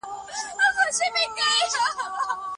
• هغه کسان مه هېروه چې په سخت وخت کې دې مرسته کړې.